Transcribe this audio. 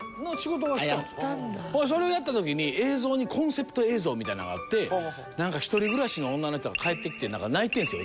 それをやった時に映像にコンセプト映像みたいなんがあってなんか一人暮らしの女の人が帰ってきてなんか泣いてるんですよ